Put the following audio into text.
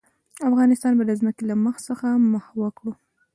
افغانستان به د ځمکې له مخ څخه محوه کړو.